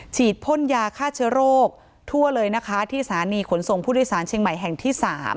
พ่นยาฆ่าเชื้อโรคทั่วเลยนะคะที่สถานีขนส่งผู้โดยสารเชียงใหม่แห่งที่๓